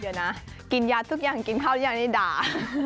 เดี๋ยวนะกินยาทุกอย่างกินข้าวอย่างนี้ด่า